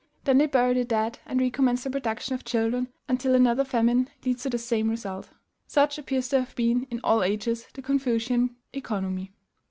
Then they bury the dead, and recommence the production of children until another famine leads to the same result. Such appears to have been, in all ages, the Confucian economy.